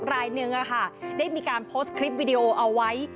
รายหนึ่งได้มีการโพสต์คลิปวิดีโอเอาไว้